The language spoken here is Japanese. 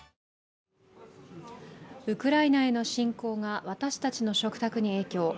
ウクライナへの侵攻が私たちの食卓に影響。